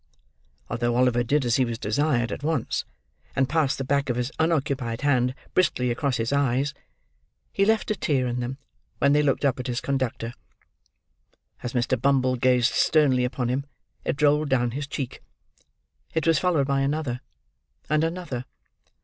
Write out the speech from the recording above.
Although Oliver did as he was desired, at once; and passed the back of his unoccupied hand briskly across his eyes, he left a tear in them when he looked up at his conductor. As Mr. Bumble gazed sternly upon him, it rolled down his cheek. It was followed by another, and another.